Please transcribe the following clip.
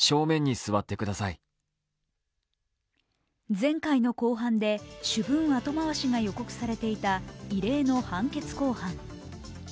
前回の公判で主文後回しが予告されていた異例の判決公判。